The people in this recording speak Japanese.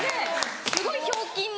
すごいひょうきんな。